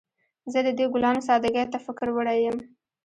زه د دې ګلانو سادګۍ ته فکر وړی یم